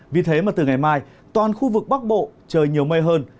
vì thế mà từ ngày mai toàn khu vực bắc bộ trời nhiều mây hơn